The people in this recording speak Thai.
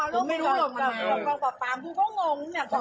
ใจเย็นใจมันเมา